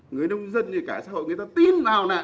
người đông dân như cả xã hội người ta tin vào nè